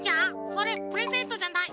それプレゼントじゃない？